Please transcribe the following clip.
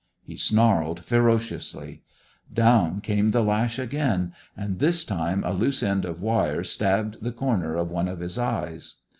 He snarled ferociously. Down came the lash again, and this time a loose end of wire stabbed the corner of one of his eyes.